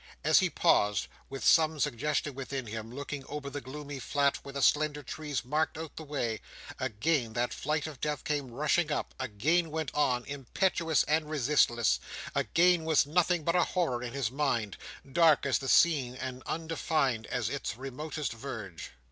As he paused, with some such suggestion within him, looking over the gloomy flat where the slender trees marked out the way, again that flight of Death came rushing up, again went on, impetuous and resistless, again was nothing but a horror in his mind, dark as the scene and undefined as its remotest verge.